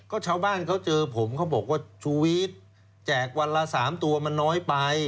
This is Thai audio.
ก็ชาวบ้านเขาเจอผมเขาบอกว่าชูวิทย์แจกวันละ๓ตัวมันน้อยไป